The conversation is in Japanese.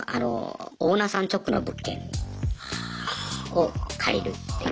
オーナーさん直の物件を借りるっていう。